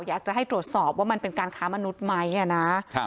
อยากจะให้ตรวจสอบว่ามันเป็นการค้ามนุษย์ไหมนะครับ